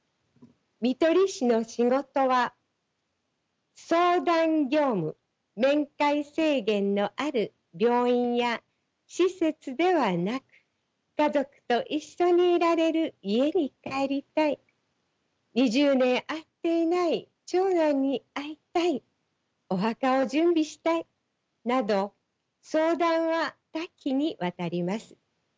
看取り士の仕事は相談業務面会制限のある病院や施設ではなく家族と一緒にいられる家に帰りたい２０年会っていない長男に会いたいお墓を準備したいなど相談は多岐にわたります。